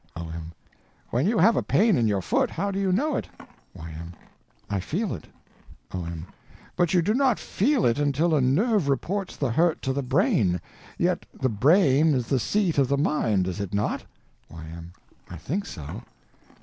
O.M. When you have a pain in your foot, how do you know it? Y.M. I feel it. O.M. But you do not feel it until a nerve reports the hurt to the brain. Yet the brain is the seat of the mind, is it not? Y.M. I think so.